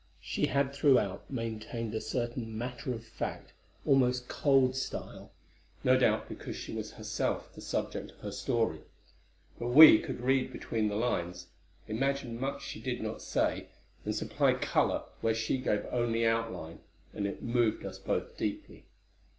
She had throughout maintained a certain matter of fact, almost cold style, no doubt because she was herself the subject of her story; but we could read between the lines, imagine much she did not say, and supply color when she gave only outline; and it moved us both deeply.